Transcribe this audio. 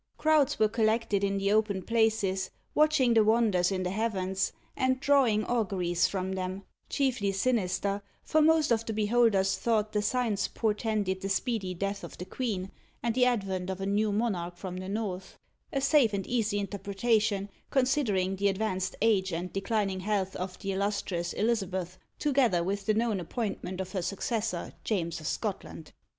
Crowds were collected in the open places, watching the wonders in the heavens, and drawing auguries from them, chiefly sinister, for most of the beholders thought the signs portended the speedy death of the queen, and the advent of a new monarch from the north a safe and easy interpretation, considering the advanced age and declining health of the illustrious Elizabeth, together with the known appointment of her successor, James of Scotland.